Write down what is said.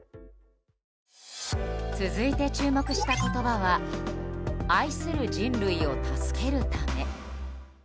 続いて、注目した言葉は愛する人類を助けるため。